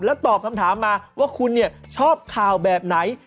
แล้วตอบคำถามมาว่าคุณชอบข่าวแบบไหน